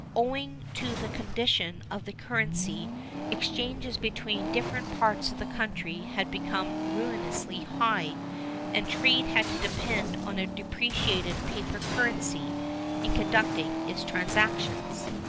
Owing to the condition of the currency, exchanges between different parts of the country had become ruinously high and trade had to depend on a depreciated paper currency in conducting its transactions.